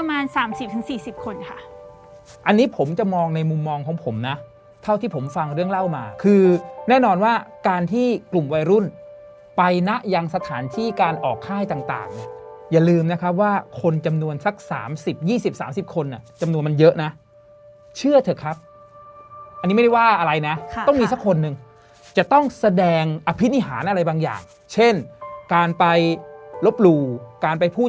ประมาณ๓๐๔๐คนค่ะอันนี้ผมจะมองในมุมมองของผมนะเท่าที่ผมฟังเรื่องเล่ามาคือแน่นอนว่าการที่กลุ่มวัยรุ่นไปนะยังสถานที่การออกค่ายต่างเนี่ยอย่าลืมนะครับว่าคนจำนวนสัก๓๐๒๐๓๐คนจำนวนมันเยอะนะเชื่อเถอะครับอันนี้ไม่ได้ว่าอะไรนะต้องมีสักคนหนึ่งจะต้องแสดงอภินิหารอะไรบางอย่างเช่นการไปลบหลู่การไปพูด